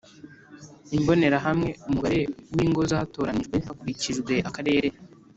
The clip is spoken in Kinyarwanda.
Imbonerahamwe Umubare w ingo zatoranijwe hakurikijwe Akarere